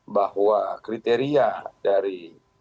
bahwa kriteria dari